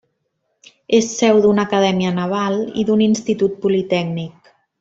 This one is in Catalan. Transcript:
És seu d'una acadèmia naval i d'un institut politècnic.